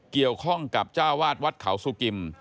เกี่ยวข้องกับเจ้าวาดวัดเขาสุกิม